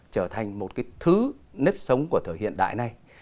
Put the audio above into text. trở thành một cái thứ nếp sống của thời hiện đại này